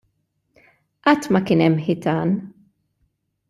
Qatt ma kien hemm ħitan.